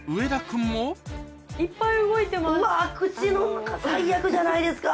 うわ口の中最悪じゃないですか。